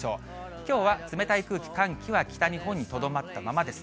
きょうは冷たい空気、寒気は北日本にとどまったままです。